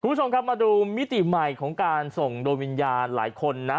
คุณผู้ชมครับมาดูมิติใหม่ของการส่งโดยวิญญาณหลายคนนะ